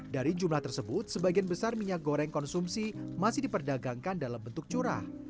dari jumlah tersebut sebagian besar minyak goreng konsumsi masih diperdagangkan dalam bentuk curah